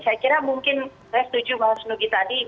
saya kira mungkin saya setuju dengan senugih tadi